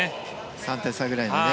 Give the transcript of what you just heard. ３点差ぐらいにね。